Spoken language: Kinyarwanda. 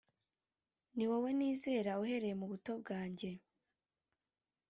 ni wowe nizera uhereye mu buto bwanjye